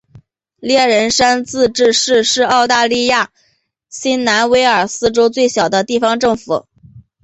猎人山自治市是澳大利亚新南威尔斯州最小的地方政府。